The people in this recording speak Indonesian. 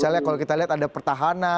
misalnya kalau kita lihat ada pertahanan